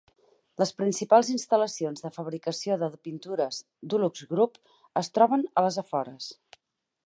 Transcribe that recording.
Les principals instal·lacions de fabricació de pintures de DuluxGroup es troben a les afores.